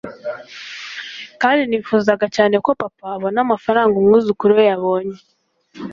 Kandi nifuzaga cyane ko Papa abona amafaranga umwuzukuru we yabonye